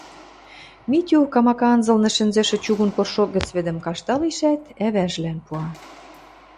Митю, камака анзылны шӹнзӹшӹ чугун коршок гӹц вӹдӹм кашталешӓт, ӓвӓжӹлӓн пуа...